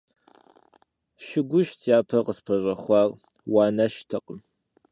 Шыгушт япэ къыспэщӀэхуар, уанэштэкъым.